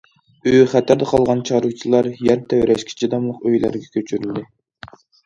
ئۆيى خەتەردە قالغان چارۋىچىلار يەر تەۋرەشكە چىداملىق ئۆيلەرگە كۆچۈرۈلدى.